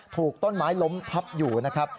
ถูกต้นไม้ล้มทับอยู่นะครับ